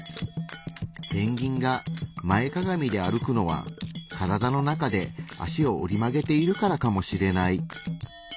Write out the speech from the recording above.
ペンギンが前かがみで歩くのは体の中で脚を折り曲げているからかもしれない。